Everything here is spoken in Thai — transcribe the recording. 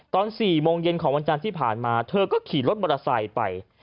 ตอน๔โมงเย็นของวันจันทร์ที่ผ่านมาเธอก็ขี่รถมอเตอร์ไซค์ไป